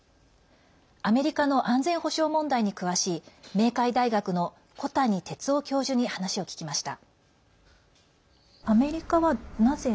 アメリカの安全保障問題に詳しい明海大学の小谷哲夫教授に話を聞きました。